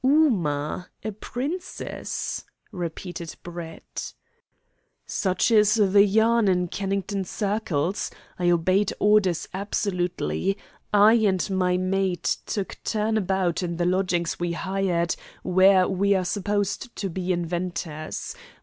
"Ooma a princess," repeated Brett. "Such is the yarn in Kennington circles. I obeyed orders absolutely. I and my mate took turn about in the lodgings we hired, where we are supposed to be inventors.